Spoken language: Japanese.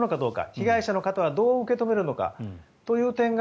被害者の方はどう受け止めるのかという点が